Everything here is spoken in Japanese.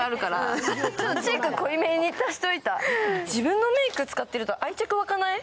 自分のメイク使ってると愛着湧かない？